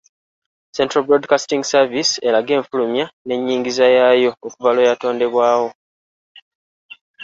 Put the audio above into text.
Central Broadcasting Service erage enfulumya n’ennyingiza yaayo okuva lwe yatondebwawo.